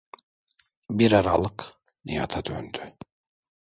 Bir aralık Nihat’a döndü: